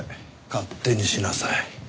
勝手にしなさい。